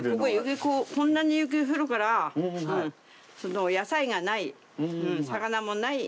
こここんなに雪降るから野菜がない魚もない。